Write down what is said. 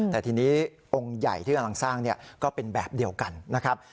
แต่ทีนี้องค์ใหญ่ที่กำลังสร้างก็เป็นแบบเดียวกันนะครับ